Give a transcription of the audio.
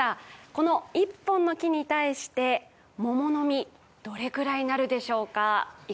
この１本の木に対して桃の実、どれくらいなるでしょうか。